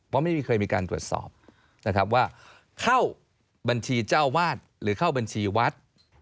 เพราะไม่มีใครมีการตรวจสอบนะครับว่าเข้าบัญชีเจ้าวาดหรือเข้าบัญชีวัด